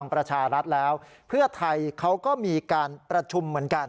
ประชารัฐแล้วเพื่อไทยเขาก็มีการประชุมเหมือนกัน